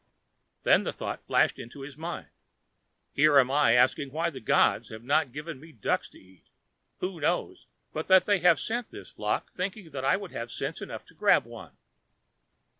Then the thought flashed into his mind: "Here am I asking why the gods have not given me ducks to eat. Who knows but that they have sent this flock thinking I would have sense enough to grab one?